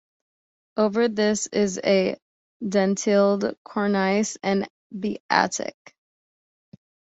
Over this is a dentilled cornice and the attic.